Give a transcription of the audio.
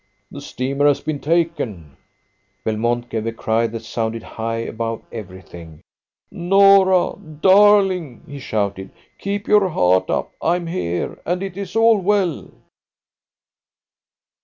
"The steamer has been taken!" Belmont gave a cry that sounded high above everything. "Norah, darling," he shouted, "keep your heart up! I'm here, and it is all well!"